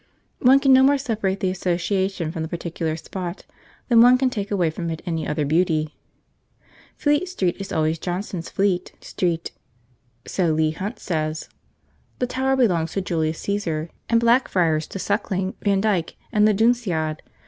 One can no more separate the association from the particular spot than one can take away from it any other beauty. 'Fleet Street is always Johnson's Fleet Street' (so Leigh Hunt says); 'the Tower belongs to Julius Caesar, and Blackfriars to Suckling, Vandyke, and the Dunciad...